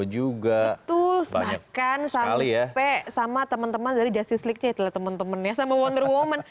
juga itu makan sama teman teman dari justice league nya itu temen temennya sama wonder woman